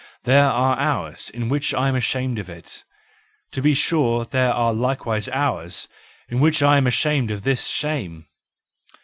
There are hours in which I am ashamed of it; to be sure there are likewise hours in which I am ashamed of this shame.